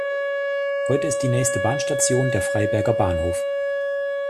Heute ist die nächste Bahnstation der Freiberger Bahnhof.